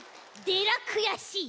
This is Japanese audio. でらくやしい。